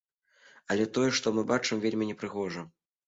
Але тое, што мы бачым, вельмі непрыгожа.